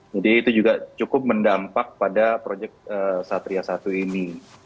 jadi itu juga cukup mendampak pada proyek satria satu ini